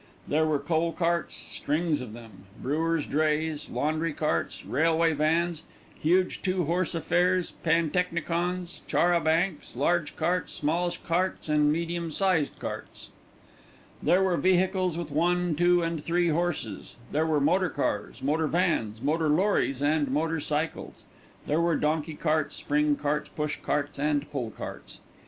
There were coal carts, strings of them, brewers' drays, laundry carts, railway vans, huge two horse affairs, pantechnicons, char a bancs, large carts, small carts, and medium sized carts. There were vehicles with one, two, and three horses. There were motor cars, motor vans, motor lorries, and motor cycles. There were donkey carts, spring carts, push carts, and pull carts.